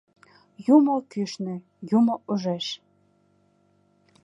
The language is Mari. Юмо кӱшнӧ, юмо ужеш...